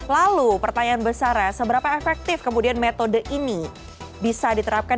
lalu pertanyaan besarnya seberapa efektif kemudian metode ini bisa diterapkan